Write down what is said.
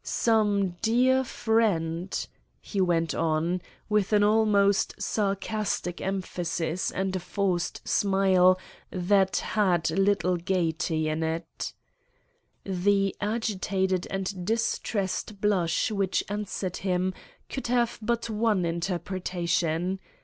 "Some dear friend," he went on, with an almost sarcastic emphasis and a forced smile that had little of gaiety in it. The agitated and distressed blush which answered him could have but one interpretation.